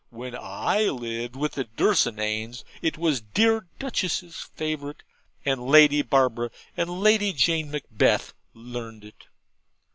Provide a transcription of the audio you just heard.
When I lived with the Dunsinanes, it was the dear Duchess's favourite, and Lady Barbara and Lady Jane McBeth learned it.